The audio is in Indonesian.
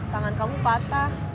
tangan kamu patah